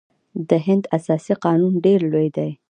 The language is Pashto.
د هند اساسي قانون ډیر لوی دی.